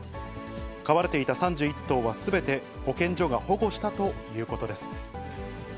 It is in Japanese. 飼われていた３１頭はすべて保健所が保護したということです。